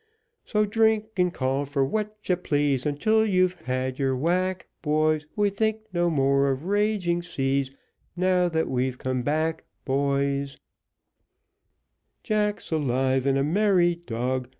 So drink, and call for what you please, Until you've had your whack, boys; We think no more of raging seas, Now that we've come back, boys.